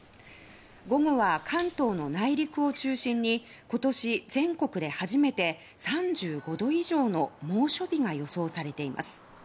午後は関東の内陸を中心に今年、全国で初めて３５度以上の猛暑日が予想されています。